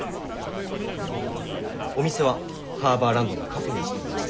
お店はハーバーランドのカフェにしてみました。